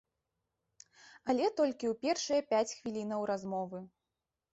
Але толькі ў першыя пяць хвілінаў размовы.